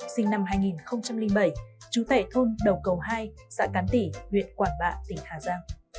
sinh năm hai nghìn bảy chú tệ thôn đầu cầu hai xã cán tỷ huyện quảng bạ tỉnh hà giang